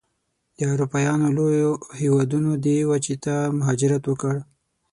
د اروپایانو لویو هېوادونو دې وچې ته مهاجرت وکړ.